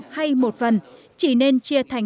hay một phần chỉ nên chia thành